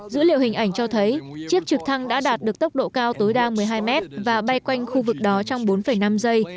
dữ liệu hình ảnh cho thấy chiếc trực thăng đã đạt được tốc độ cao tối đa một mươi hai mét và bay quanh khu vực đó trong bốn năm giây